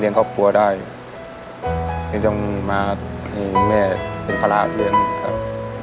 เลี้ยงครอบครัวได้ไม่ต้องมาให้แม่เป็นภาระเรียนครับ